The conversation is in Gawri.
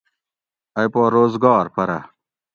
ائی پا روزگار پرہ ؟